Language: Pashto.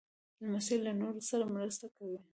لمسی له نورو سره مرسته کوي.